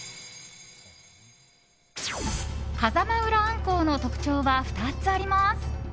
風間浦鮟鱇の特徴は２つあります。